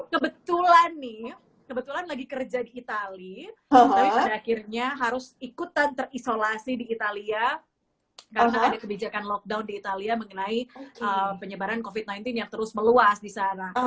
kebetulan nih kebetulan lagi kerja di itali tapi pada akhirnya harus ikutan terisolasi di italia karena ada kebijakan lockdown di italia mengenai penyebaran covid sembilan belas yang terus meluas di sana